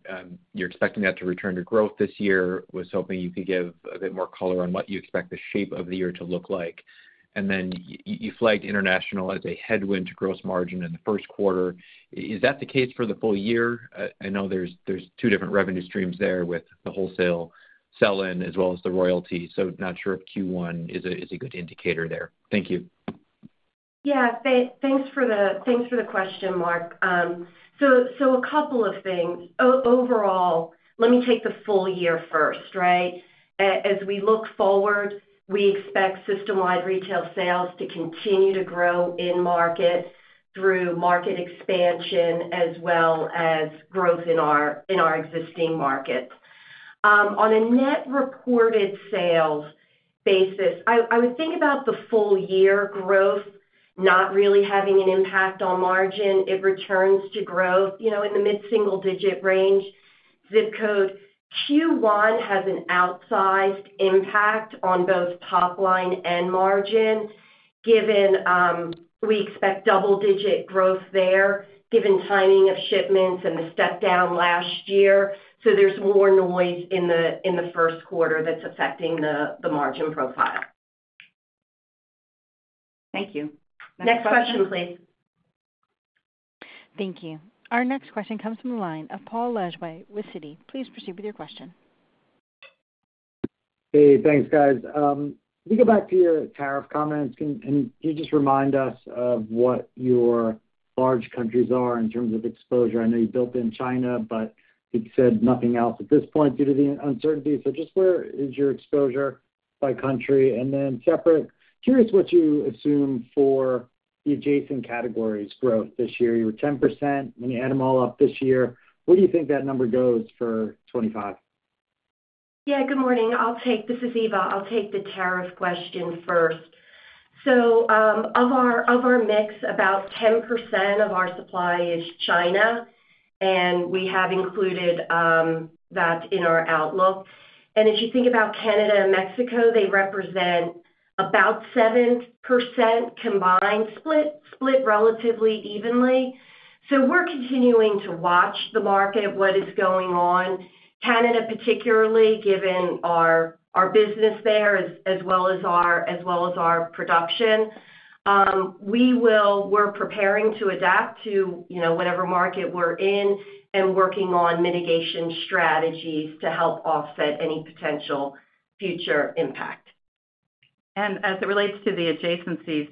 S10: You're expecting that to return to growth this year? was hoping you could give a bit more color on what you expect the shape of the year to look like. And then you flagged international as a headwind to gross margin in the first quarter. Is that the case for the full year? I know there's two different revenue streams there with the wholesale sell-in as well as the royalty. So not sure if Q1 is a good indicator there. Thank you.
S4: Yeah. Thanks for the question, Mark. So a couple of things. Overall, let me take the full year first, right? As we look forward, we expect system-wide retail sales to continue to grow in market through market expansion as well as growth in our existing markets. On a net reported sales basis, I would think about the full year growth not really having an impact on margin. It returns to growth in the mid-single-digit range. Zip code. Q1 has an outsized impact on both top line and margin given we expect double-digit growth there given timing of shipments and the step down last year. So there's more noise in the first quarter that's affecting the margin profile. Thank you. Next question, please.
S1: Thank you. Our next question comes from the line of Paul Lejuez with Citi. Please proceed with your question.
S11: Hey, thanks, guys. We go back to your tariff comments. Can you just remind us of what your large countries are in terms of exposure? I know you built in China, but you said nothing else at this point due to the uncertainty. So just where is your exposure by country? And then separate, curious what you assume for the adjacent categories' growth this year. You were 10%. When you add them all up this year, where do you think that number goes for 2025?
S4: Yeah. Good morning. This is Eva. I'll take the tariff question first, so of our mix, about 10% of our supply is China, and we have included that in our outlook, and if you think about Canada and Mexico, they represent about 7% combined split relatively evenly, so we're continuing to watch the market, what is going on. Canada, particularly, given our business there as well as our production. We're preparing to adapt to whatever market we're in and working on mitigation strategies to help offset any potential future impact.
S3: And as it relates to the adjacencies,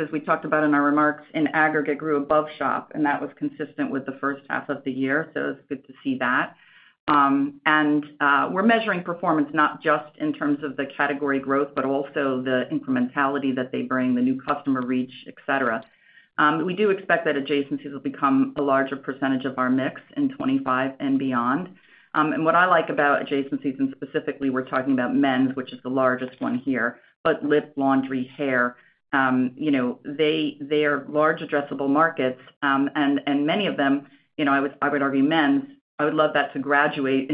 S3: as we talked about in our remarks, in aggregate grew above shop, and that was consistent with the first half of the year, so it's good to see that. And we're measuring performance not just in terms of the category growth, but also the incrementality that they bring, the new customer reach, etc. We do expect that adjacencies will become a larger percentage of our mix in 2025 and beyond. And what I like about adjacencies, and specifically we're talking about men's, which is the largest one here, but lip, laundry, hair, they are large addressable markets. And many of them, I would argue men's, I would love that to graduate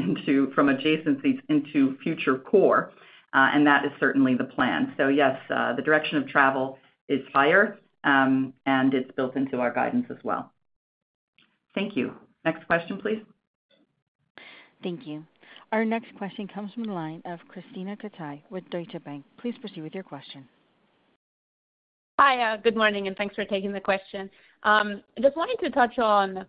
S3: from adjacencies into future core. And that is certainly the plan. So yes, the direction of travel is higher, and it's built into our guidance as well. Thank you. Next question, please.
S1: Thank you. Our next question comes from the line of Krisztina Katai with Deutsche Bank. Please proceed with your question.
S12: Hi, good morning, and thanks for taking the question. Just wanted to touch on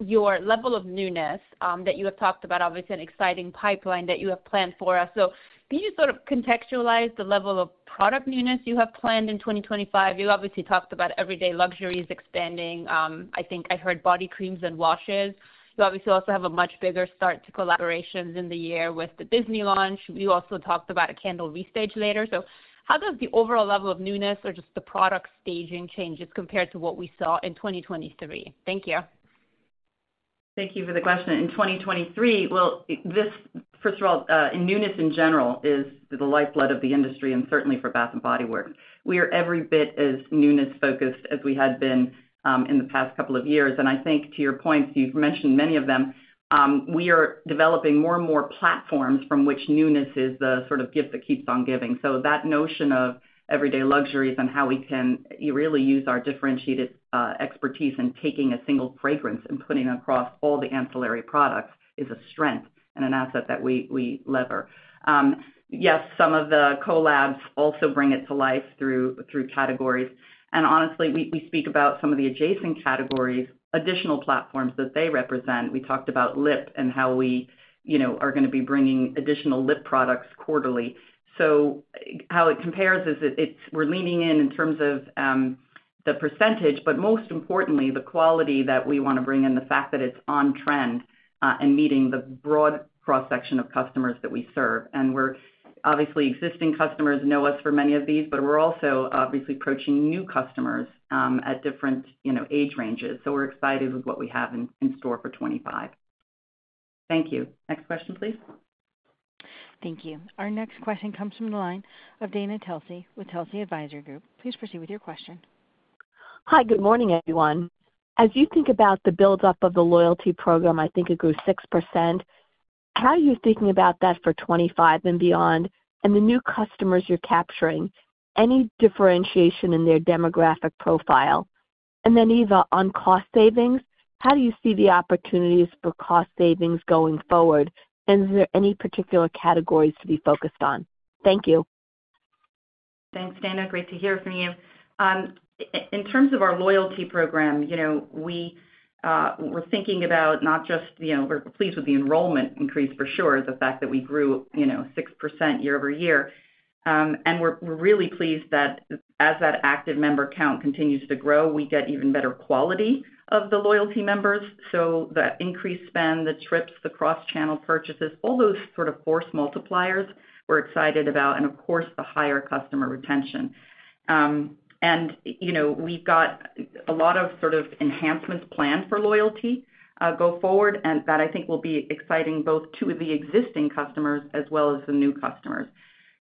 S12: your level of newness that you have talked about, obviously an exciting pipeline that you have planned for us. So can you sort of contextualize the level of product newness you have planned in 2025? You obviously talked about Everyday Luxuries expanding. I think I heard body creams and washes. You obviously also have a much bigger start to collaborations in the year with the Disney launch. You also talked about a candle restage later. So how does the overall level of newness or just the product staging change as compared to what we saw in 2023? Thank you.
S3: Thank you for the question. In 2023, well, first of all, newness in general is the lifeblood of the industry and certainly for Bath & Body Works. We are every bit as newness-focused as we had been in the past couple of years. And I think to your points, you've mentioned many of them. We are developing more and more platforms from which newness is the sort of gift that keeps on giving. So that notion of Everyday Luxuries and how we can really use our differentiated expertise in taking a single fragrance and putting it across all the ancillary products is a strength and an asset that we lever. Yes, some of the collabs also bring it to life through categories, and honestly, we speak about some of the adjacent categories, additional platforms that they represent. We talked about lip and how we are going to be bringing additional lip products quarterly, so how it compares is we're leaning in in terms of the percentage, but most importantly, the quality that we want to bring and the fact that it's on trend and meeting the broad cross-section of customers that we serve. And obviously, existing customers know us for many of these, but we're also obviously approaching new customers at different age ranges. So we're excited with what we have in store for 2025. Thank you. Next question, please.
S1: Thank you. Our next question comes from the line of Dana Telsey with Telsey Advisory Group. Please proceed with your question.
S13: Hi, good morning, everyone. As you think about the build-up of the loyalty program, I think it grew 6%. How are you thinking about that for 2025 and beyond and the new customers you're capturing? Any differentiation in their demographic profile? And then Eva, on cost savings, how do you see the opportunities for cost savings going forward? And is there any particular categories to be focused on? Thank you.
S3: Thanks, Dana. Great to hear from you. In terms of our loyalty program, we were thinking about not just we're pleased with the enrollment increase for sure, the fact that we grew 6% year-over-year. And we're really pleased that as that active member count continues to grow, we get even better quality of the loyalty members. So the increased spend, the trips, the cross-channel purchases, all those sort of force multipliers we're excited about, and of course, the higher customer retention. And we've got a lot of sort of enhancements planned for loyalty go forward, and that I think will be exciting both to the existing customers as well as the new customers.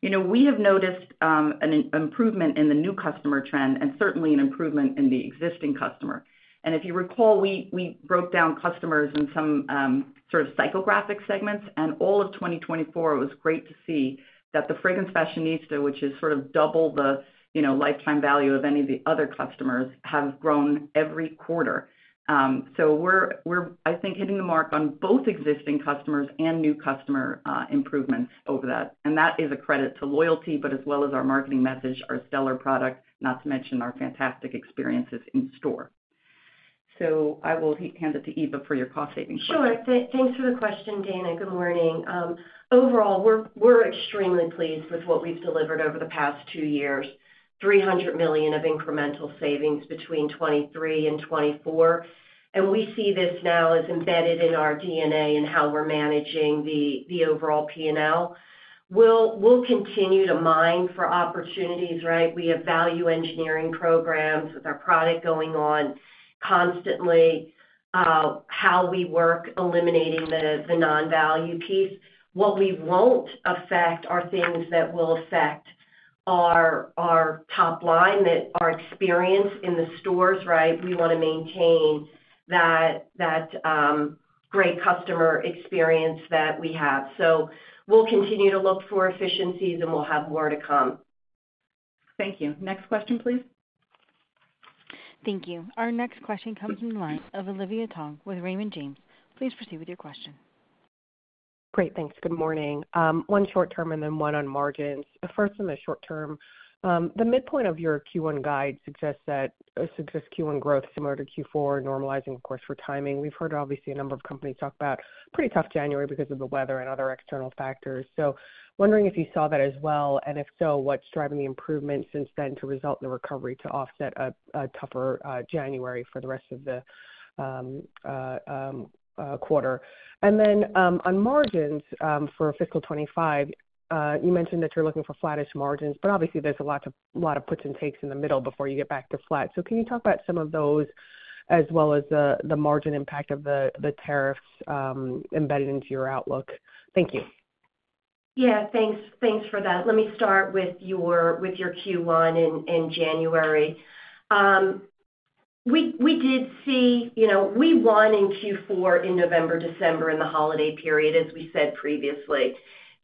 S3: We have noticed an improvement in the new customer trend and certainly an improvement in the existing customer. And if you recall, we broke down customers in some sort of psychographic segments. And all of 2024, it was great to see that the Fragrance Fashionista, which is sort of double the lifetime value of any of the other customers, have grown every quarter. So we're, I think, hitting the mark on both existing customers and new customer improvements over that. And that is a credit to loyalty, but as well as our marketing message, our stellar product, not to mention our fantastic experiences in store. So I will hand it to Eva for your cost-saving question.
S4: Sure. Thanks for the question, Dana. Good morning. Overall, we're extremely pleased with what we've delivered over the past two years, $300 million of incremental savings between 2023 and 2024. And we see this now as embedded in our DNA and how we're managing the overall P&L. We'll continue to mine for opportunities, right? We have value engineering programs with our product going on constantly, how we work eliminating the non-value piece. What we won't affect are things that will affect our top line, our experience in the stores, right? We want to maintain that great customer experience that we have. So we'll continue to look for efficiencies, and we'll have more to come.
S3: Thank you. Next question, please.
S1: Thank you. Our next question comes from the line of Olivia Tong with Raymond James. Please proceed with your question.
S14: Great. Thanks. Good morning. One short-term and then one on margins. First, in the short-term, the midpoint of your Q1 guide suggests Q1 growth similar to Q4, normalizing, of course, for timing. We've heard, obviously, a number of companies talk about a pretty tough January because of the weather and other external factors. So wondering if you saw that as well. And if so, what's driving the improvement since then to result in the recovery to offset a tougher January for the rest of the quarter? And then on margins for fiscal 2025, you mentioned that you're looking for flattish margins, but obviously, there's a lot of puts and takes in the middle before you get back to flat. So can you talk about some of those as well as the margin impact of the tariffs embedded into your outlook? Thank you.
S4: Yeah. Thanks for that. Let me start with your Q1 in January. We did see we won in Q4 in November, December, in the holiday period, as we said previously.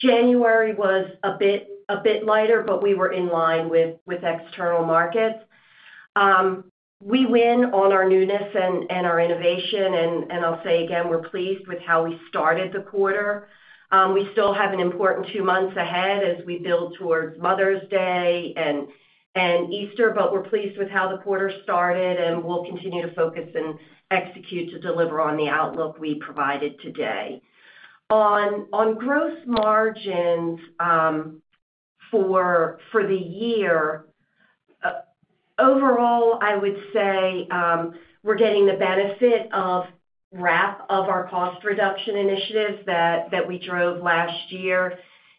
S4: January was a bit lighter, but we were in line with external markets. We win on our newness and our innovation. And I'll say again, we're pleased with how we started the quarter. We still have an important two months ahead as we build towards Mother's Day and Easter, but we're pleased with how the quarter started, and we'll continue to focus and execute to deliver on the outlook we provided today. On gross margins for the year, overall, I would say we're getting the benefit of our cost reduction initiatives that we drove last year.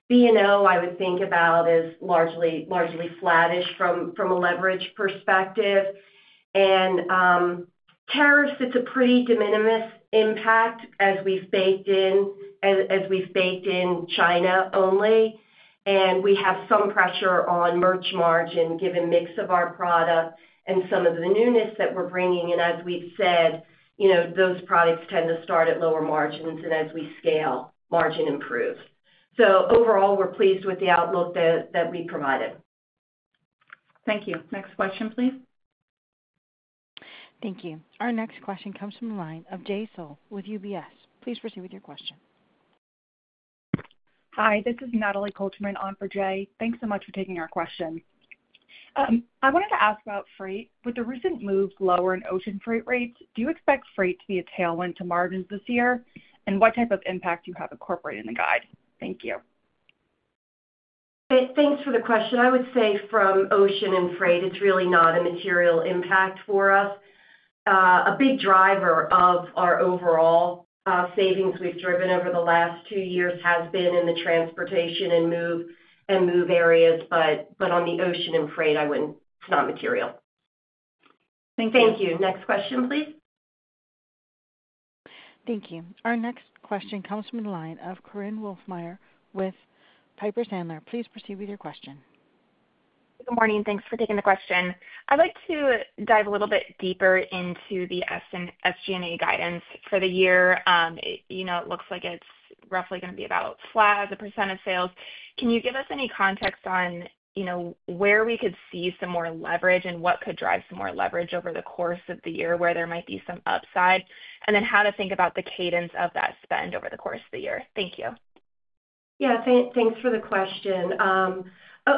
S4: B&O, I would think about as largely flattish from a leverage perspective. And tariffs, it's a pretty de minimis impact as we've baked in China only. And we have some pressure on merch margin given mix of our product and some of the newness that we're bringing. And as we've said, those products tend to start at lower margins, and as we scale, margin improves. So overall, we're pleased with the outlook that we provided.
S1: Thank you. Next question, please. Thank you. Our next question comes from the line of Jay Sole with UBS. Please proceed with your question.
S15: Hi, this is Natalie Kotlyar on for Jay. Thanks so much for taking our question. I wanted to ask about freight. With the recent moves lower in ocean freight rates, do you expect freight to be a tailwind to margins this year? And what type of impact do you have incorporated in the guide? Thank you.
S4: Thanks for the question. I would say from ocean and freight, it's really not a material impact for us. A big driver of our overall savings we've driven over the last two years has been in the transportation and move areas, but on the ocean and freight, it's not material. Thank you. Thank you. Next question, please.
S1: Thank you. Our next question comes from the line of Korinne Wolfmeyer with Piper Sandler. Please proceed with your question.
S16: Good morning. Thanks for taking the question. I'd like to dive a little bit deeper into the SG&A guidance for the year. It looks like it's roughly going to be about flat as a percent of sales. Can you give us any context on where we could see some more leverage and what could drive some more leverage over the course of the year where there might be some upside? And then how to think about the cadence of that spend over the course of the year? Thank you.
S4: Yeah. Thanks for the question.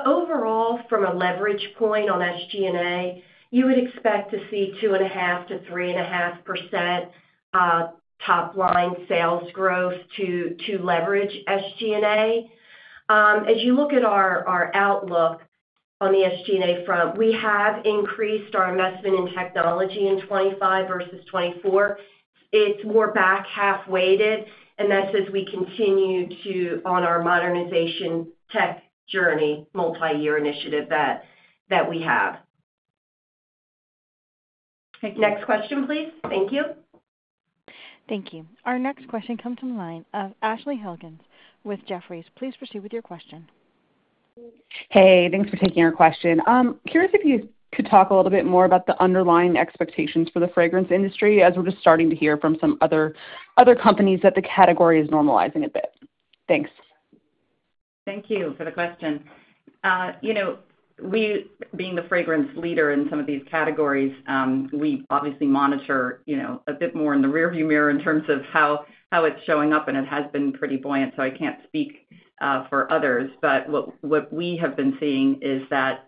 S4: Overall, from a leverage point on SG&A, you would expect to see 2.5%-3.5% top-line sales growth to leverage SG&A. As you look at our outlook on the SG&A front, we have increased our investment in technology in 2025 versus 2024. It's more back half-weighted, and that's as we continue on our modernization tech journey, multi-year initiative that we have. Next question, please. Thank you.
S1: Thank you. Our next question comes from the line of Ashley Helgans with Jefferies. Please proceed with your question.
S17: Hey. Thanks for taking our question. Curious if you could talk a little bit more about the underlying expectations for the fragrance industry as we're just starting to hear from some other companies that the category is normalizing a bit. Thanks.
S3: Thank you for the question. We, being the fragrance leader in some of these categories, we obviously monitor a bit more in the rearview mirror in terms of how it's showing up, and it has been pretty buoyant. So I can't speak for others, but what we have been seeing is that,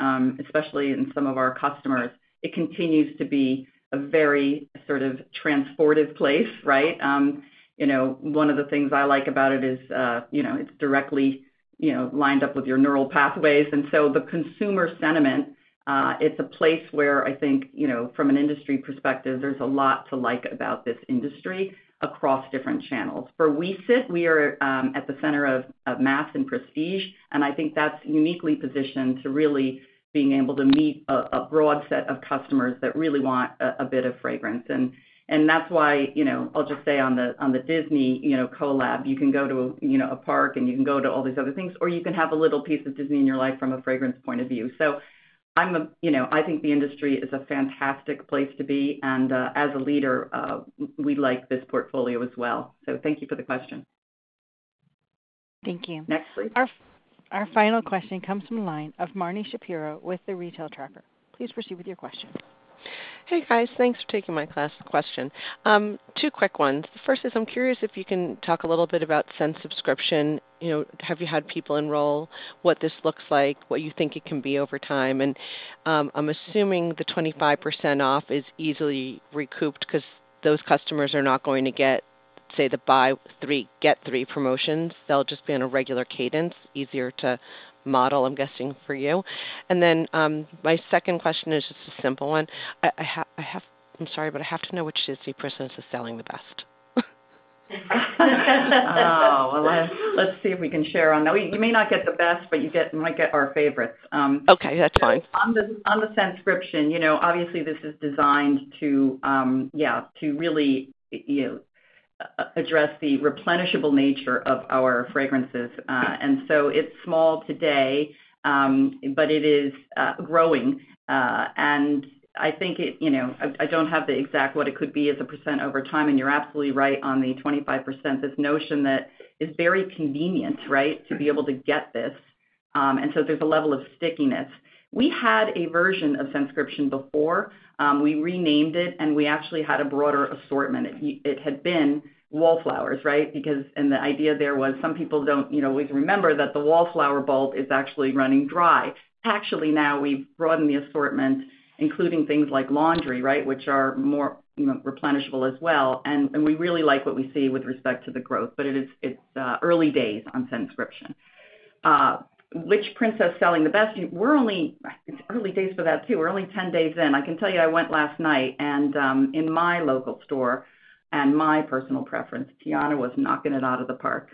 S3: especially in some of our customers, it continues to be a very sort of transportive place, right? One of the things I like about it is it's directly lined up with your neural pathways, and so the consumer sentiment, it's a place where I think, from an industry perspective, there's a lot to like about this industry across different channels. For us, we sit at the center of mass and prestige, and I think that's uniquely positioned to really being able to meet a broad set of customers that really want a bit of fragrance. And that's why I'll just say on the Disney collab, you can go to a park and you can go to all these other things, or you can have a little piece of Disney in your life from a fragrance point of view. So I think the industry is a fantastic place to be. And as a leader, we like this portfolio as well. So thank you for the question. Thank you. Next, please.
S1: Our final question comes from the line of Marni Shapiro with The Retail Tracker. Please proceed with your question.
S18: Hey, guys. Thanks for taking my question. Two quick ones. The first is I'm curious if you can talk a little bit about Scent-Scription. Have you had people enroll? What this looks like? What you think it can be over time? I'm assuming the 25% off is easily recouped because those customers are not going to get, say, the buy three, get three promotions. They'll just be on a regular cadence, easier to model, I'm guessing, for you. And then my second question is just a simple one. I'm sorry, but I have to know which Disney person is selling the best.
S3: Oh, well, let's see if we can share on that. You may not get the best, but you might get our favorites.
S18: Okay. That's fine.
S3: On the Scent-Scription, obviously, this is designed, yeah, to really address the replenishable nature of our fragrances. And so it's small today, but it is growing. And I think I don't have the exact what it could be as a percent over time, and you're absolutely right on the 25%, this notion that it's very convenient, right, to be able to get this. And so there's a level of stickiness. We had a version of Scent-Scription before. We renamed it, and we actually had a broader assortment. It had been Wallflowers, right? And the idea there was some people don't always remember that the Wallflower bulb is actually running dry. Actually, now we've broadened the assortment, including things like laundry, right, which are more replenishable as well. And we really like what we see with respect to the growth, but it's early days on Scent-Scription. Which princess selling the best? It's early days for that too. We're only 10 days in. I can tell you I went last night, and in my local store and my personal preference, Tiana was knocking it out of the park.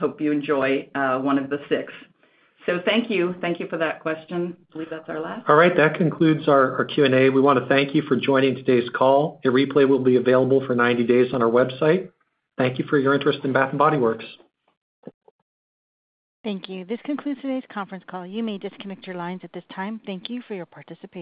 S3: Hope you enjoy one of the six. So thank you. Thank you for that question. I believe that's our last.
S2: All right. That concludes our Q&A. We want to thank you for joining today's call. A replay will be available for 90 days on our website. Thank you for your interest in Bath & Body Works.
S1: Thank you. This concludes today's conference call. You may disconnect your lines at this time. Thank you for your participation.